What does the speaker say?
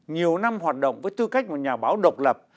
nhiều năm hoạt động với tư cách một nhà báo độc lập